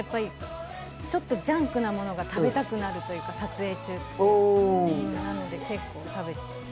ちょっとジャンクなものが食べたくなるっていうか、撮影中って。